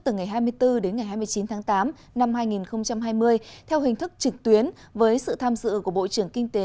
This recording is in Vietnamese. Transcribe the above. từ ngày hai mươi bốn đến ngày hai mươi chín tháng tám năm hai nghìn hai mươi theo hình thức trực tuyến với sự tham dự của bộ trưởng kinh tế